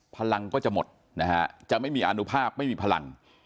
พลังก็จะหมดนะฮะจะไม่มีอนุภาพไม่มีพลัง